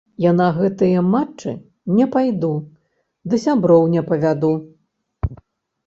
Я на гэтыя матчы не пайду ды сяброў не павяду.